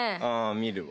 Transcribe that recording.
見るわ。